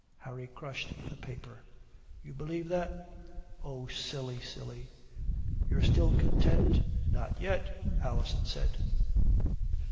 Harry crushed the paper. "You believe that?" "Oh, silly, silly." "You're still content?" "Not yet," Alison said.